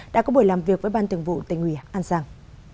đã có buổi làm việc với ban tường vụ tây nguyễn an giang